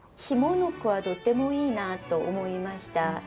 下の句はとってもいいなと思いました。